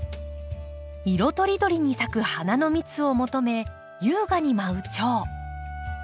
色とりどりに咲く花の蜜を求め優雅に舞うチョウ。